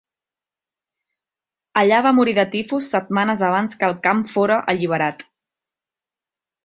Allà va morir de tifus setmanes abans que el camp fóra alliberat.